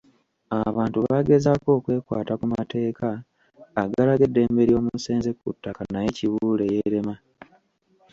Abantu baagezaako okwekwata ku mateeka agalaga eddembe ly’omusenze ku ttaka naye Kibuule yeerema.